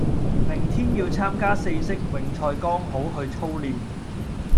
明天要參加四式泳賽剛好去操練